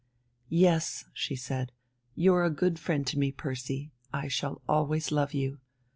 "Yes," she said, "you're a good friend to me, Percy, I shall always love you.